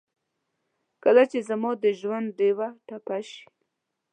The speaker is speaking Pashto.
کله چې زما دژوندډېوه ټپه شي